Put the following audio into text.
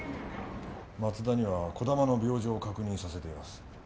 松田には児玉の病状を確認させています。